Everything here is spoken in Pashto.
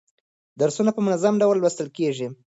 درسونه په منظم ډول لوستل کیږي.